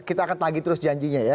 kita akan tagi terus janjinya ya